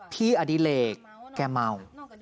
พี่อดิเลกแกเมา